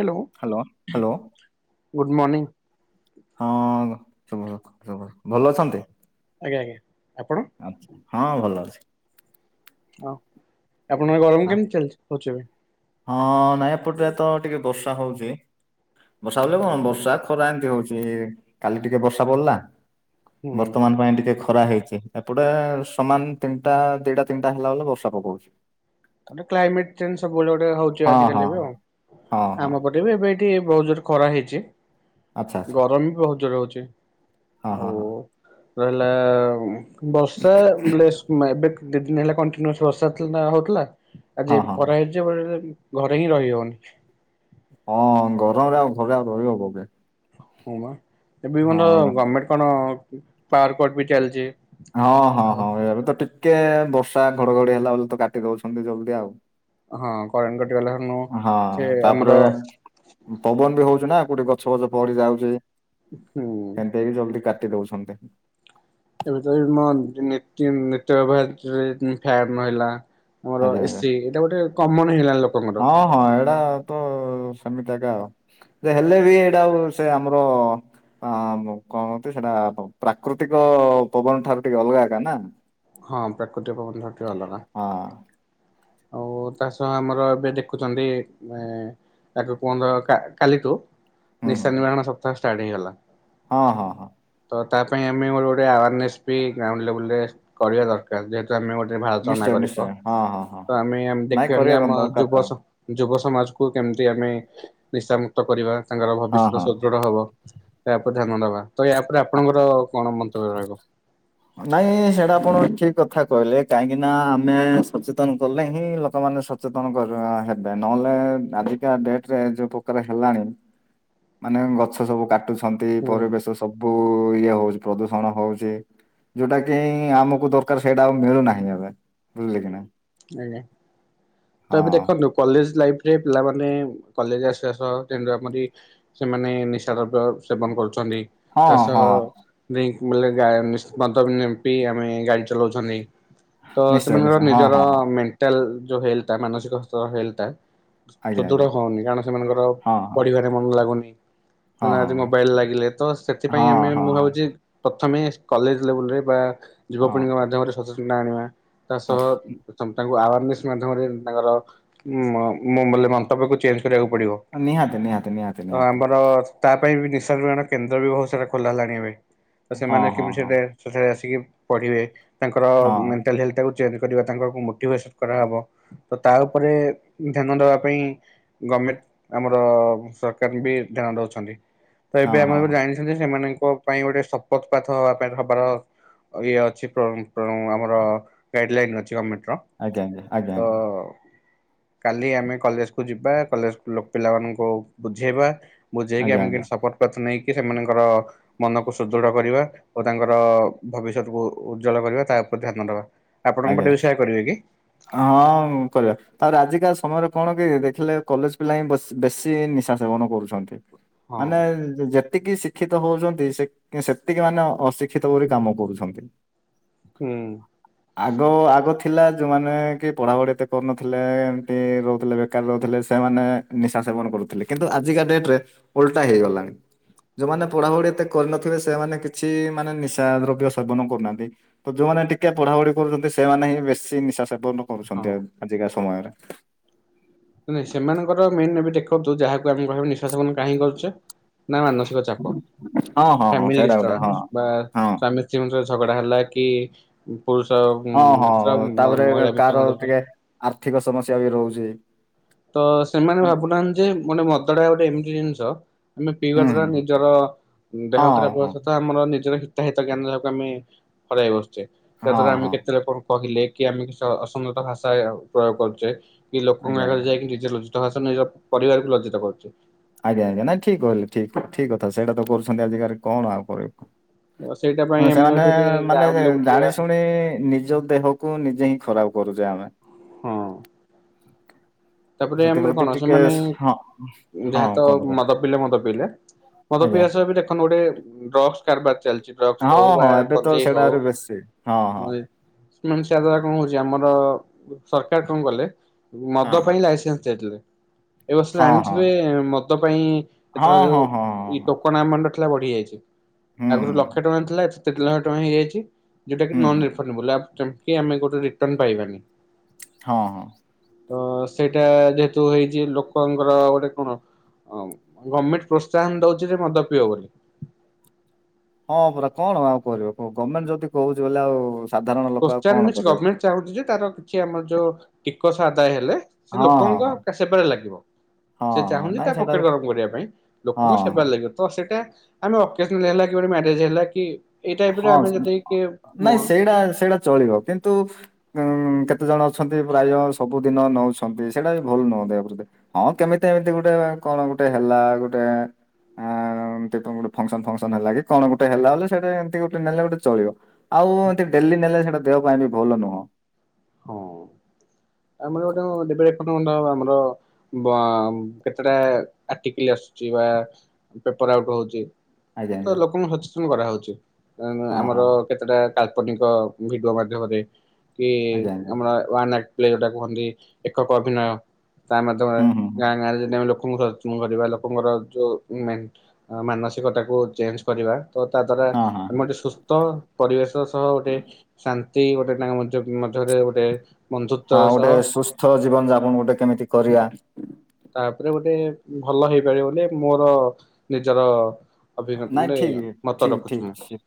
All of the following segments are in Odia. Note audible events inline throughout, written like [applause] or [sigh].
Hello. Hello. Hello good morning. ହଁ ଭଲ ଅଛନ୍ତି? ଆଜ୍ଞା ଆଜ୍ଞା। ଆପଣ? ହଁ ଭଲ ଅଛି। ହଁ ଆପଣଙ୍କର ଗରମ ଆ କେମିତି ଚାଲିଛି ହଉଛି ଏବେ? ହଁ ନା ଏ ପଟରେ ତ ଟିକେ ବର୍ଷା ହଉଛି। ବର୍ଷା ବଲେ କଣ ବର୍ଷା ଖରା ଏମିତି ହଉଛି। କାଲି ଟିକେ ବର୍ଷା ପଡିଲା। ହୁଁ ବର୍ତ୍ତମାନ ପାଇଁ ଟିକେ ଖରା ହେଇଛି। ଏପଟେ ସମାନ ତିନିଟା ଦିଟା ତିନିଟା ହେଲା ବ ବର୍ଷା ପକଉଛି। ମନେ କ୍ଲାଇମେଟ୍ ଚେଞ୍ଜ ସବୁବେଳେ ଗୋଟେ ହଉଛି ହଁ ଆଜିକାଲି ହଁ ଏବେ। ହଁ ହଁ ଆମ ପଟେ ଏବେ ବି ଏଠି ବୋହୁତ୍ ଜୋରେ ଖରା ହେଇଛି। ଆଚ୍ଛା ଆଚ୍ଛା ଗରମ ବି ବୋହୁତ୍ ଜୋରେ ହଉଛି। ହଁ ହଁ ହଁ। ତ ହେଲା ବର୍ଷା ବ୍ଲେସ ମାଇବେକ୍। ଦି ଦିନି ହେଲା କଣ୍ଟିନ୍ୟୁସ୍ ବର୍ଷାଥିଲା ହଉଥିଲା ହଁ ଆଜି ହଁ। ଖରା ହେଇଛି। [unintelligible] ଘରେ ହିଁ ରହିହବନି। ହଁ ଗରମରେ ଆଉ ଘରେ ଆଉ ରହିହବ ବେ। ହଁ ବା ଏବେ ମର ଗମେଣ୍ଟ କଣ ପାୱାର କଟ ବି ଚାଲିଛି। ହଁ ହଁ ହଁ ଏବେ ତ ଟିକେ ବର୍ଷା ଘଡଘଡି ହେଲା ବେଳକୁ ତ କାଟି ଦଉଛନ୍ତି ଜଲ୍ଦି ଆଉ। ହଁ କରେଣ୍ଟ କଟିଗଲା। ହଁ ସେ ତାପରେ ଆମର ପବନ ବି ହଉଛି ନା କୋଉଠି ଗଛ ଫଛ ପଡି ଯାଉଛି। ହୁଁ। ସେଇ ଜଲଦି କାଟି ଦଉଛନ୍ତି। ଏବେ ତ ମୋ [unintelligible] ଆମର ଆଜ୍ଞା ଆଜ୍ଞା ଏସି ଏଇଟା ଗୋଟେ କମନ ହେଇଗଲାଇ ଲୋ ହଁ ହଁ ଏଇଟା ତ ସେମିତି ଆକା ଆଉ। ସେ ହେଲେ ବି ଏଇଟା ଆଉ ସେ ଆମର ହ ମୁ କହୁଁଛି ସେଇଟା ପ୍ରାକୃତିକ ପବନ ଠାରୁ ଟିକେ ଅଲଗା ଏକା ନା। ହଁ ପ୍ରାକୃତିକ ପାବନ ଠାରୁ ଟିକେ ଅଲଗା। ହଁ ଆଉ ତା ସହ ଆମର ଏବେ ଦେଖୁଛନ୍ତି ମେ ତାକୁ କୁହନ୍ତ କାଲିଠୁ ହୁଁ ନିଶା ହୁଁ ନିବାରଣ ସପ୍ତାହ ଷ୍ଟାର୍ଟ ହେଇଗଲା। ହଁ ହଁ। ହଁ ତ ତା ପାଇଁ ଆମେ ଗୋଟେ ଗୋଟେ ଆୱାରନେସ୍ ବି ଗ୍ରାଉଣ୍ଡ ଲେବୁଲ ରେ କରିବା ଦରକାର ଯେହେତୁ ଆମେ ଗୋଟେ ଭା ନିଶ୍ଚୟ ନିଶ୍ଚୟ ହଁ ହଁ। ତ ହଁ ଆମେ ଆମେ ନାଇଁ ଦେଖିବାନି କରିବା କଣ ଆମ ଦରକାର ଯୁବ ତ ସ ଯୁବ ସମାଜକୁୁ କେମିତି ଆମେ ନିଶାମୁକ୍ତ କରିବା ତାଙ୍କର ହଁ ଭବିଷ୍ୟତ ସ ହଁ ସୁଦୃଢ ହବ ଏହା ଉପରେ ଧ୍ୟାନ ଦବା ତ ଏହା ଉପରେ ଆପଣଙ୍କର କଣ ମନ୍ତବ୍ୟ ରହିବ? ନାଇଁ ସେଇଟା ଆପଣ ଠିକ କଥା କହିଲେ କାହିଁକି ନା ଆମେ ସଚେତନ କଲେ ହିଁ ଲୋକମାନେ ସ ସଚେତନ କର ହେବେ ନହେଲେ ଆଜିକା ଡେଟରେ ଯୋଉ ପ୍ରକାର ହେଲାଣି। ମାନେ ଗଛ ସବୁ କାଟୁଛନ୍ତି ହୁଁ ପରିବେଶ ଓ ଇଏ ହଉଚି ପ୍ରଦୂଷଣ ହଉଚି। ଯୋଉଟା କି ଆମକୁ ଦରକାର ସେଇଟା ଆଉ ମିଳୁନାହିଁ ଏବେ ବୁଝିଲେ କି ନା। ଆଜ୍ଞା। ତାପରେ ଦେଖନ୍ତୁ କଲେଜ ଲାଇଫରେ ପିଲାମାନେ କଲେଜ ଆସିବା ସହ [unintelligible] ସେମାନେ ନିଶାଦ୍ରବ୍ୟ ସେବନ କରୁଛନ୍ତି ହଁ ତା ସହ ହଁ ନାଇ ମାନେ [unintelligible] ନିଶା ମଦ ପିଇ ଆମେ ଗାଡି ଚଲଉଛନ୍ତି ତ ନିଶ୍ଚୟ ନିଶ୍ଚୟ ସେମାନଙ୍କର ହଁ ନିଜର ହଁ ହଁ ମେଣ୍ଟାଲ ଯୋଉ ହେଲଟା ମାନସିକ ସ୍ତର ହେଲଟା ଆଜ୍ଞା ସୁଦୃଢ ଆଜ୍ଞା ହଉନି କାରଣ ସେମାନଙ୍କର ହଁ ପରିବାରେ ମନ ଲାଗୁନି। ହଁ ହଁ ସେମାନେ ମୋବାଇଲ ଲାଗିଲେ ତ ସେଥିପାଇଁ ହଁ ଆମେ ହଁ ମୁଁ ଭାବୁଚି ପ୍ରଥମେ କଲେଜ ଲେବୁଲରେ ବା ହଁ ହଁ ଯୁବପିଡ଼ିଙ୍କ ମାଧ୍ୟମରେ ସଚେତନତା ଆଣିବା ତା ହଁ ସହ ତାଙ୍କୁ ଆୱାରନେସ୍ ମାଧ୍ୟମରେ ତାଙ୍କର ମଙ୍ଗୋଲ ମନ୍ତବ୍ୟକୁ ଚେଞ୍ଜ କରିବାକୁ ପଡିବ। ନିହାତି ନିହାତି ନିହାତି ତ ନିହାତି ଆମର ତା ପାଇଁବି ନିଶା ନିବାରଣ କେନ୍ଦ୍ର ବି ବହୁତ ସାରା ଖୋଲା ହେଲାଣି ଏବେ। ତ ହଁ ସେମାନେ ହଁ କେମିତି ହଁ ସେଇଟେ ସେଠାରେ ଆସିକି ପଢ଼ିବେ ତାଙ୍କର ହଁ ମେଣ୍ଟଲ୍ ହେଲ୍ଟା କୁ କରିବା ତାଙ୍କର କଉ ମୋଟିବେସ କରାହବ ତ ତା ଉପରେ ଧ୍ୟାନ ଦବା ପାଇଁ ଗମେଣ୍ଟ ଆମର ସରକାର ବି ଧ୍ୟାନ ଦଉଛନ୍ତି ତ ଏବେ ହଁ ଆମେ ହଁ ଜାଣି କିନ୍ତୁ ସେମାନଙ୍କ ପାଇଁ ଗୋଟେ ଶପଥପାଠ ପାଇଁ ହବାର ଆଉ ଇଏ ଅଛି କ୍ର କ୍ର ଆମର ବ୍ରାଇନି ଅଛି ଆମିଟିର ଆଜ୍ଞା ଆଜ୍ଞା ଆଜ୍ଞା ତ କାଲି ଆମେ କଲେଜକୁ ଯିବା କଲେଜର ପିଲାମାନଙ୍କୁବୁଝେଇବା। ବୁଝେଇକି ଆଜ୍ଞା ଆମେ ଆଜ୍ଞା କେମିତି ଶପଥପତ ନେଇକି ସେମାନଙ୍କର ମନକୁ ସୁଦୃଢ କରିବା। ଓ ତାଙ୍କର ଭବିଷ୍ୟତକୁ ଉଜ୍ଜ୍ୱଳ କରିବା ତା ଉପରେ ଧ୍ୟାନ ଦେବା ଆପଣଙ୍କ ଆଜ୍ଞା ପାଟେ ଆଜ୍ଞା ସେଇଆ କରିବେ କି? ହଁ କରିବା। ତାରେ ଆଜିକା ସମୟରେ କଣ କି ଦେଖିଲେ କଲେଜ ପିଲା ହିଁ ବଶି ବେଶୀ ନିଶା ସେବନ କରୁଛନ୍ତି। ହଁ ମାନେ ଯେ ଯେତିକି ଶିକ୍ଷିତ ହଉଛନ୍ତି ସେତିକି ମାନେ ଅଶିକ୍ଷିତ ବୋଲି କାମ କରୁଛନ୍ତି। ହୁଁ। ଆଗ ଆଗ ଥିଲା ଯୋଉମାନେ କି ପଢ଼ାପଢ଼ି ଏତେ କରୁନଥିଲେ ଏମତି ରହୁଥିଲେ। କାର ରହୁଥିଲେ ସେମାନେ ନିଶା ସେବନ କରୁଥିଲେ କିନ୍ତୁ ଆଜିକା ଡେଟରେ ଓଲଟା ହେଇଗଲାଣି। ଯୋଉମାନେ ପଢ଼ାପଢ଼ି ଏତେ କରିନଥିବେ ସେମାନେ କିଛି ମାନେ ନିଶା ଦ୍ରବ୍ୟ ସେବନ କରୁନାହାନ୍ତି। ତ ଯୋଉମାନେ ଟିକେ ପଢ଼ାପଢ଼ି କରୁଛନ୍ତି ସେମାନେ ହିଁ ବେଶୀ ନିଶା ସେବନ ହଁ। କରୁଛନ୍ତି ଆଜିକା ସମୟରେ ନାହିଁ ସେମାନଙ୍କର ମେନେ ଏବେ ଦେଖନ୍ତୁ ଯାହାକୁ ଆମେ ଭାବି ନିସା ସେବନ କାହିକି କରୁଚେ। ନା ମାନସିକ ଚାପ ହଁ ହଁ ହଁ ଫାମିଲି ସେଇଟା ଗୋଟେ ହଁ। ଡିଷ୍ଟବାସ ବା ହଁ ସ୍ୱାମୀ ଯେଉଁ ଝର ଝଗଡା ହେଲା କି ପୁରୁଷ ହଁ ହଁ ମିତ୍ର ତାପରେ ମହିଳା କାହାର ମିତ୍ରଙ୍କ [unintelligible] ଟିକେ ଆର୍ଥିକ ସମସ୍ୟା ବି ରହୁଚି। ତ ସେମାନେ ଭାବୁନାହାନ୍ତି ଯେ ମାନେ ଗୋଟେ ମଦଟା ଗୋଟେ ଏମିତି ଜିନିଷ ଆମେ ପିଇବା ହୁଁ ହୁଁ ଦ୍ଵାରା ହୁଁ ନିଜର ଦେହ ହଁ ଖରାପ ହବା ହଁ ସତା ଆମର ନିଜର ଶି୍ତାହିତ ଜ୍ଞାନ ଯାହାକୁ ଆମେ ହରେଇ ବସୁଛେ ଯାହା ହଁ ଦ୍ୱାରା ଆମେ ହଁ କେତେ ଲୋକ କହିଲେ କି ଆମେ କିସ ଅସମୀତ ଭାଷା ପ୍ରୟୋଗ କରୁଚେ କି ଲୋକଙ୍କ ଆଜ୍ଞା ଆଗରେ ଆଜ୍ଞା। ଯାଇ ନିଜେ ଲଜ୍ଜି ହାସ ନିଜର ପରିବାରକୁ ଲଜ୍ଜିତ କରୁଚୁ। ଆଜ୍ଞା ଆଜ୍ଞା ନା ଠିକି କହିଲେ ଠିକି ଠିକି ଠିକି କଥା ସେଇଟା ତ ଆଜିକାଲି କଣ ଆଉ କରିବୁ। ସେଇଟା ପାଇଁ ହଁ ଆମେ ସେମାନେ ଯଦି ମାନେ ଗ୍ରାଉଣ୍ଡ ଲେବୁଲରେ ଜାଣି ଶୁଣି ନିଜ ଦେହକୁ କୁ ନିଜେ ହିଁ ଖରାପ କରୁଚେ ଆମେ। ହଁ। ତାପରେ ଆମର ସେଥିପ୍ରତି କଣ ଟିକେ ସେମାନେ ହଁ ହଁ ଯାହାତ କୁହନ୍ତୁ କୁହନ୍ତୁ ମଦ ପିଲେ ମଦ ପିଇଲେ ମଦ ଆଜ୍ଞା ପିଇବା ସହ ଦେଖନ୍ତୁ ଗୋଟେ ଡ୍ରକ୍ସ କରବାର ଚାଲିଚି। ଡ୍ରକ୍ସ ହଉ ହଁ ବା ହଁ ଏବେ ତ ଗଞ୍ଜେଇ ସେଇଟା ହଉ। ଆହୁରି ବେଶୀ ହଁ ହଁ ମାନେ ସେ ଦ୍ଵାରା କଣ ହଉଚି ଆମର ସରକାର କଣ କଲେ ହଁ ମଦ ପାଇଁ ଦେଇଥିଲେ ଏ ବର୍ଷ ହଁ ହଁ ଜାଣିଥିବେ ମଦ ପାଇଁ ଏଥର ହଁ ହଁ ହଁ ହଁ ହଁ ଯୋଉ ହଁ ଟୋକନ ଆମାଣ୍ଡ ଥିଲା ବଢ଼ିଯାଇଛି ହୁଁ ଆଗରୁ ଲକ୍ଷ୍ୟ ଟଙ୍କା ଥିଲା ଏଠି ତିନି ଲକ୍ଷ ଟଙ୍କା ହେଇଯାଇଛି। ଯଉଟାକୀ ହୁଁ ନନ ହୁଁ ହୁଁ ରେଫନବୁଲୁ ଆ ଆମେ ଗୋଟେ ରିଟନ ପାଇବାନି। ହଁ ହଁ। ତ ସେଇଟା ଯେହେତୁ ହେଇଛି ଲୋକଙ୍କର ଗୋଟେ କଣ ହମ୍ ଗମେଣ୍ଟ୍ ପ୍ରୋତ୍ସାହନ୍ ଦୋଉଚି ଯେ ମଦ ପିଇବ ବୋଲି। ହଁ ପରା କଣ ଆଉ କରିବ କୁହ ଗମେଣ୍ଟ୍ ଯଦି କହୁଚି ବଲେ ଆଉ ସାଧାରଣ ଲୋକ ଆଉ କଣ ପୋସ୍ଚାରିଣସ୍ କରିବେ ଗମେଣ୍ଟ୍ ଚାହୁଁଚ ଯେ ତାର କିଛି ଆମର ଯୋଉ ଟିକସ ଆଦାୟ ହେଲେ ସେ ହଁ ହଁ ହଁ ଲୋକଙ୍କ ସେବାରେ ଲାଗିବ। ହଁ ସେ ହଁ ଚାହୁଁନ୍ତି ନାଇଁ ତା ସେଇଟା ପକେଟ୍ ବି ଗରମ କରିବା ପାଇଁ, ହଁ ଲୋକଙ୍କ ହଁ ସେବାରେ ଲାଗିବ ତ ସେଟା ଆମେ ଅକ୍ଷେୟ ତ୍ରୁତୀୟା ହେଲା କି ଗୋଟେ ମ୍ୟାରେଜ୍ ହେଲା କି ଏଇ ଟାଇପ ରେ ଆମେ ହଁମ୍ସ୍, ଯଦି କିଏ ମ ନାଇଁ ସେଇଟା ସେଇଟା ଚଳିବ କିନ୍ତୁ କେତେ ଜଣ ଅଛନ୍ତି, ପ୍ରାୟ ସବୁଦିନ ନେଉଛନ୍ତି, ସେଇଟା ବି ଭଲ୍ ନୁହ ଦେହପ୍ରତି। ହଁ, କେମିତି ଏମିତି ଗୋଟେ, କଣ ଗୋଟେ ହେଲା, ଗୋଟେ ଆଁମ୍, କେତେ ବଡ ଫଙ୍କସନ୍, ଫଙ୍କସନ୍ ହେଲା କି କଣ ଗୋଟେ ହେଲା ଓଲିସ୍ ସେଟା ଏମତି ଗୋଟେ ନେଲେ ଗୋଟେ ଚଳିବ ଆଉ ହୁଁ। ଏନ୍ତିବ୍ ଡେଲି ନେଲେ ସେଇଟା ଦେହ ପାଇଁ ବି ଭଲ ନୁହଁ। ହଁ, ଆମର ଗୋଟାଅଁ ଦେବେ। [unintelligible] ଆମର ବାମ୍ କେତେଟା ଆର୍ଟିକିଲ୍ ଆସଚି ବା ପେପର୍ ଆଉଟ୍ ହୋଉଚି, ଆଜ୍ଞା ତ ଆଜ୍ଞା ଲୋକୋଙ୍କୁ ହଚେସନ କରାହୋଉଚି, ଏମ୍ ହଁ ହଁ ଆମର କେତେଟା କାଳ୍ପନିକ ଭିଡୁଅ ମାଧ୍ୟମରେ କି ଆଜ୍ଞା ଆଜ୍ଞା ହଏ, ୱାନାଇଟ୍ ପ୍ଲେ ଯୋଉଟା କୁହନ୍ତି, ଏକକ ଅଭିନୟ। ତାମାତମରେ ହୁଁ ହୁଁ ହୁଁ ଗାଁ, ଗାଁରେ ଯେଦି ଆମେ ଲୋକୋଙ୍କୁ ଧରଚୁ। ଉଁ କରିବା, ଲୋକଙ୍କର ଯୋଉ ମେଣ୍ଟ୍, ମାନସିକତାକୁ ଚେନ୍ଚ୍ କରିବା। ତ, ତା ଦ୍ଵାରା ହଁ ହଁ। ଆମେ ଗୋଟେ ସୁସ୍ଥ ପରିବେଶ ସହ, ଗୋଟେ ଶାନ୍ତି, ଗୋଟେ ତାଙ୍କ ମଜ୍ୟକ୍, ମଝ୍ୟରେ ଗୋଟେ ହଁ, ବନ୍ଧୁତ୍ୱର ସହ ଗୋଟେ ସୁସ୍ଥ ଜୀବନ ଯାପନ ଗୋଟେ କେମିତି କରିବା? ତାପରେ ଗୋଟେ ଭଲ ହେଇପାରିବ ବୋଲି ମୋର ନିଜର ଅଭିଜ୍ଞ ବୋଲେ ନାଇଁ ଠିଗି, ମତ ଠି, ରଖୁଛି ମୁଁ ଠିକଛି,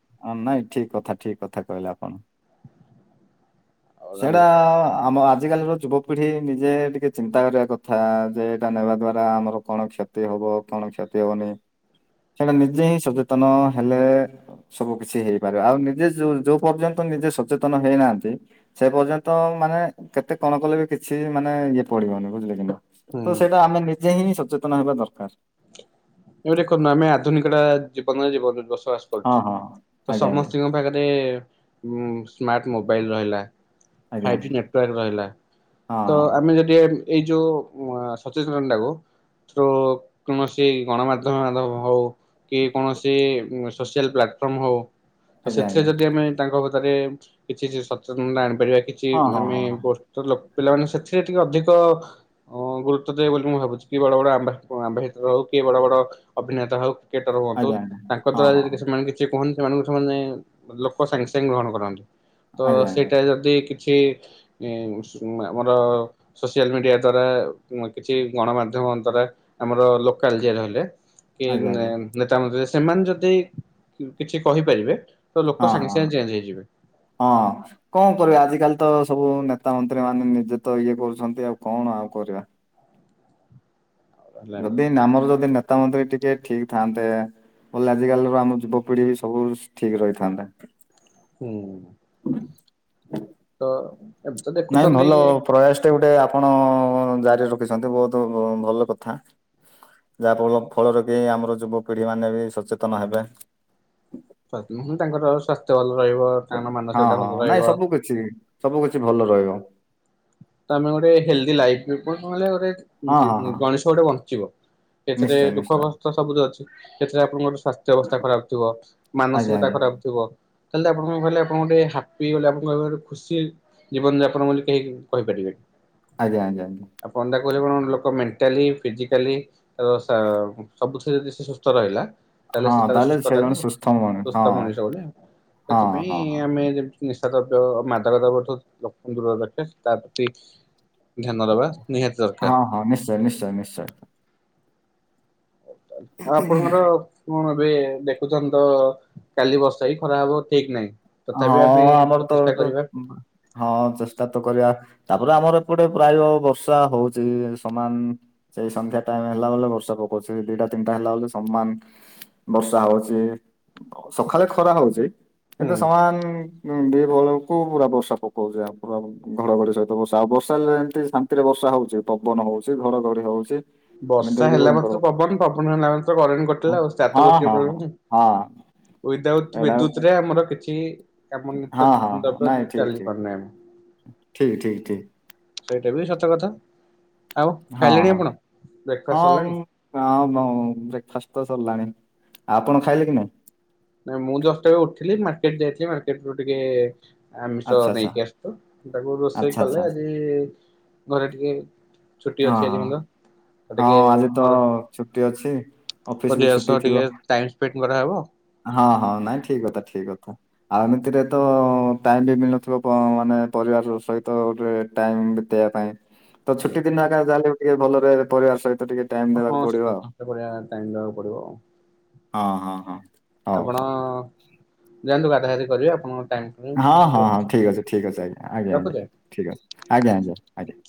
ନାଇଁ ଠିକ୍ କଥା, ଠିକ୍ କଥା କହିଲେ ଆପଣ। ଆଉ ସେଇଡା ରହିଲା ଆମ ଆଜିକାଲିର ଯୁବପିଢ଼ି ନିଜେ ଟିକେ ଚିନ୍ତା କରିବା କଥା, ଯେ ଏଇଟା ନେବା ଦ୍ଵାରା ଆମର କଣ କ୍ଷତ୍ କ୍ଷତି ହବ, କଣ କ୍ଷତି ହବନି, ସେଟା ନିଜେ ହିଁ ସଜେତନ ହେଲେ ସବୁ କିଛି ହେଇପାରିବ। ଆଉ ନିଜେ ଯୋଉ, ଯୋଉ ପର୍ଯ୍ୟନ୍ତ ନିଜେ ସଚେତନ ହେଇନାହାନ୍ତି ସେ ପର୍ଯ୍ୟନ୍ତ ମାନେ କେତେ କଣ କଲେ ବି କିଛି ମାନେ ଇଏ ପଡିବନି ବୁଝିଲେ କି ନା। ହୁଁ। ତ ସେଇଟା ଆମେ ନିଜେ ହିଁ ସଚେତନ ହେବା ଦର୍କାର୍। [unintelligible] ଆମେ ଆଧୁନିକଟା ଜୀବନରେ, ଜୀବନରେ ଦସ ଆସ୍ ହଁ କରୁଚେ। ହଁ ତ ଆଜ୍ଞା ସମସ୍ତିଙ୍କ ପାଖେରେ ସ୍ମାର୍ଟ୍ ମୋବାଇଲ୍ ରହିଲା। ଆଜ୍ଞା ଫାଇବ୍ଜି ନେଟ୍ୱାର୍କ ରହିଲା, ତ ଆମେ ଯଦି ଏଇ ଯୋଉ ସଚେସନ୍ ଡାକୁ କୁମସି ଗଣମାଧ୍ୟମାଧବ ହୋଉ କି କୌଣସି ସୋସିଆଲ୍ ପ୍ଲାଟଫର୍ମ ହବ ତ ଆଜ୍ଞା ସେସ୍ରେ ଯଦି ଆମେ ତାଙ୍କ କଥାରେ କିଛି ସଚେସନତା ଆଣିପାରିବା କି? ଚିପ୍ ହଁ ମାମେ ହଁ ବର୍ତ୍ତଲପ୍, ପିଲାମାନଙ୍କ୍ ସତ୍ସ୍ରେ ଟିକେ ଅଧିକ ଅଁମ୍, ଗୁରୁତ୍ୱ ଦେବେ ବୋଲି ମୁଁ ଭାବୁଚି, କି ବଡ ବଡ ଆମ୍ବା, ଆମ୍ବାହେ। ରହୁ। କିଏ ବଡ ବଡ ଅଭିନେତା ହଉ, କିଏଟର ହୁଅନ୍ତୁ, ଆଜ୍ଞା ଆଜ୍ଞା ତାଙ୍କ ହଁ ଦ୍ଵାରା ହଁ ହଁ ଯଦି ହଁ କିଛି ମାଇଣ୍ଡ୍ ଯିଏ କୁହନ୍ତି ସେମାନଙ୍କୁ ସମାନେ ଲୋକ ସାଙ୍ଗ୍ ସାଙ୍ଗେ ଗ୍ରହଣ କରନ୍ତି, ତ ଆଜ୍ଞା ଆଜ୍ଞା ହଁ ହଁ ହଁ ଆଜ୍ଞା ଆଜ୍ଞା ସେଇଟା ଯଦି ଛି, ଇଁମ୍ସ, ଆମର ସୋସିଆଲ୍ ମିଡିଆ ଦ୍ଵାରା କିଛି ଗଣମାଧ୍ୟମ୍ ଅନ୍ତରା ଆମର ଲୋକ୍ କାଲ୍ ଯିଏ ରହଲେ ଆଜ୍ଞା ଆଜ୍ଞା କିନେନ୍ ନେତା ମନ୍ତ ସେମାନେ ଯଦି କିଛି କହିପାରିବେ, ତ ଲୋକ ହଁ ସାଙ୍ଗେ ହଁ ସାଙ୍ଗେ ଚେନ୍ଜ୍ ହେଇଯିବେ। ହଁ, ମ୍ପସ୍। କଁ କରିବା? ଆଜିକାଲି ତ ସବୁ ନେତାମନ୍ତ୍ରୀ ମାନେ ନିଜେ ତ ଇଏ କରୁଛନ୍ତି, ଆଉ କଣ ଆଉ କରିବା? ହେଲା ଯଦି ନାମର, ଯଦି ନେତା ମନ୍ତ୍ରୀ ଟିକେ ଠିକ୍ ଥାନ୍ତେ ବଲେ ଆଜିକାଲି ର ଆମ ଯୁବପିଢିବି ସବୁ ଠିକ୍ ରହିଥାନ୍ତା। ହୁଁ। [inaudible] ତ ଏମି ତ ଦେଖୁଛନ୍ତି, ପ୍ରୟାସ ଟେ ଗୋଟେ ଆପଣ ଜାରି ରଖିଛନ୍ତି। ବହୁତ ଭଲ କଥା। ଯାହାଫ ଫଳରେ କି ଆମର ଯୁବପିଢ଼ିମାନୋନେ ବି ସଚେତନ ହେବେ। ତାଙ୍କର ସ୍ୱାସ୍ଥ୍ୟ ଭଲ ରହିବ ତାଙ୍କର ହଁ ମାନସିକତା ହଁ ଭଲ ନାଇଁ ରହିବ ସବୁ କିଛି ସବୁ କିଛି ଭଲ ରହିବ। ତ ଆମେ ଗୋଟେ ହେଲ୍ଦି ଲାଇ ନହଲେ ଗୋଟେ ହଁ ହଁ ହଁ ଗଣଷ ଗୋଟେ ବଞ୍ଚିବ। ଏଥିରେ ନିଶ୍ଚୟ ଦୁଃଖ ନିଶ୍ଚୟ। କଷ୍ଟ ସବୁ ତ ଅଛି ସେଥିରେ ଆପଣଙ୍କର ସ୍ୱାସ୍ଥ୍ୟ ଅବସ୍ଥା ଖରାପ ଥିବ ଆଜ୍ଞା ମାନସିକତା ଆଜ୍ଞା ଖରାପ ଥିବ ତାହାଲେ ଆପଣ ଆପଣଙ୍କ ଗୋଟେ ହାପି ଆପଣଙ୍କ ଖୁସି ଜୀବନ ଯାପନ ବୋଲି କେହି କହିପାରିବେନି ଆଞା ଆଜ୍ଞା। ଆପଣ ଯାହା କହିଲେ କଣ ଲୋକ ମେଣ୍ଟାଲି ଫିଜିକାଲି ତ ସବୁ ଥୀରେ ଯଦି ସେ ସୁସ୍ଥ ରହିଲା ତାହେଲେ ହଁ ସେ ତାର ସୁସ୍ଥ ସେ ଟାକୁ ଜଣେ ସୁସ୍ଥ ମଣି ସୁସ୍ଥ ହଁ ମଣିଷବୁ ହଁ ସେଥିପାଇଁ ହଁ। ଆମେ ନିଶାଦ୍ରବ୍ୟ ମାଦକ ଦ୍ରବ୍ୟଠୁ ଲଙ୍କୁ ଦୂର ରକ୍ଷା ତା ପ୍ରତି ଧ୍ୟାନ ଦେବା ନିହାତି ଦରକାର। ହଁ ହଁ ନିଶ୍ଚୟ ନିଶ୍ଚୟ ନିଶ୍ଚୟ। ଆଉ ଆପଣଙ୍କର କଣ ଏବେ ଦେଖୁଛଛନ୍ତି ତ କାଲି ବର୍ଷା କିସଖରା ହବ ଠିକ ନାହିଁ? ତଥାପି ଆମେ ହଁ ଆମର ତ ପ୍ରଚେଷ୍ଟା ଏଇଠୁ କରିବା ହଁ ଚେଷ୍ଟା ତ କରିବା ତାପରେ ଆମର ଏପଟେ ପ୍ରାୟ ବର୍ଷା ହଉଛି ସମାନ ସେଇ ସନ୍ଧ୍ୟା ଟାଇମ ହେଲା ବେଲେ ବର୍ଷା ପକାଉଛି ଦିଟା ତିନିଟା ହେଲା ବୋଲେ ସମାନ ବର୍ଷା ହଉଚି ସକାଳେ ଖରା ହଉଚି ହୁଁ। ଦ ବଳକୁ ପୁରା ବର୍ଷା ପକଉଛି ଆ ଘଡଘଡି ସହିତ ବର୍ଷା ଆଉ ବର୍ଷା ହେଲେ ଏମିତି ଶାନ୍ତିରେ ବର୍ଷା ହଉଛି ପବନ ହଉଛି ଘଡଘଡି ହଉଛି ଏମିତି ବର୍ଷା ହେଇକି ହେଲା ଭୟଙ୍କର ମାତ୍ର ପବନ ପବନ ହେଲା ମାତ୍ର କରେଣ୍ଟ ହଁ କଟିଲା ଆଉ ତାର ତ ହଁ ଗୋଟିଏ ହଁ ହଁ ପ୍ରୋବଲେମ୍ ହଁ। ୱିଠଆଉଟ ଏଇଟା ବିଦ୍ୟୁତ ରେ ଆମର କିଛି ଏମ ନିତ ହଁ ହଁ ହଁ ଦ ନାଇଁ ଠିକ ଚାଲି ଠିକ ପାରୁନା ଏମ ଠିକ ଠିକ ଠିକ ସେଇଟା ବି ସତ କଥା ଆଉ ହଁ ଖାଇଲେଣି ଆପଣ? ହଁ ବ୍ରେକଫାଷ୍ଟ ସରିଲାଣି ହ ବ୍ରେକଫାଷ୍ଟ ତ ସରିଲାଣି ଆପଣ ଖାଇଲେ କି ନାହିଁ? ନାଇଁ ମୁଁ ଦଶଟା ବେଳେ ଉଠିଲି ମାର୍କେଟ ଯାଇଥିଲି ମାର୍କେଟ ରୁ ଟିକେ ଆମିଷ ଆଚ୍ଛା ନେଇକି ଆସଛୁ ତାକୁ ରୋଷେଇ ଆଚ୍ଛା ଆଚ୍ଛା ଆଚ୍ଛା କଲେ ଆଜି ଘରେ ଟିକେ ଛୁଟି ହଁ ଅଛି ହ ଆଜି ମୋର ତ ହଁ ଟିକେ ଆଜି ତ ଘର ଛୁଟି ଅଛି। ଅଫିସ ବି ପରିବାର ଛୁଟି ସହ ଥିବ ଟିକେ ଟାଇମ ସ୍ପେଣ୍ଡ କରାହେବ। ହଁ ହଁ ନାଇଁ ଠିକ କଥା ଠିକ କଥା। ଆଉ ଏମିତିରେ ତ ଟାଇମ ବି ମିଳୁନଥିବ ମାନେ ପରିବାର ସହିତ ଗୋଟେ ଟାଇମ ବିତେଇବା ପାଇଁ ତ ଆଜ୍ଞା ଛୁଟି ଦିନ ଆଗାଲେ ଟିକେ ଭଲ ରହିବେ ପରିବାର ସହିତ ଟିକେ ଟାଇମ ହଁ ଦେବାକୁ ପଡିବ ସେଠକି ଟାଇମବାକୁ ପଡିବ ଆଉ ହଁ ହଁ ହଁ। ହଉ ଆପଣ ଯାଆନ୍ତୁ ଗାଧା ଗାଧି କରିବେ ଆପଣଙ୍କ ଟାଇମ୍ ହଁ ହଁ ହଁ ଠିକ ଅଛି ଠିକ ଅଛି ଆଜ୍ଞା ଆଜ୍ଞା ଆଜ୍ଞା ରଖୁଛି। ଠିକ ଆଜ୍ଞା ଆଜ୍ଞା ଆଜ୍ଞା।